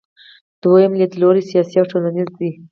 دویم لیدلوری سیاسي او ټولنیز دی.